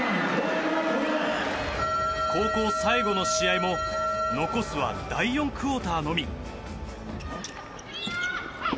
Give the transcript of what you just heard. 高校最後の試合も残すは第４クオーターのみ。